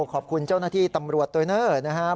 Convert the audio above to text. ขอบคุณเจ้าหน้าที่ตำรวจเตอร์เนอร์นะครับ